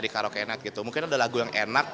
di karaoke net gitu mungkin ada lagu yang enak